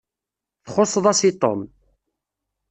Txuṣṣeḍ-as i Tom.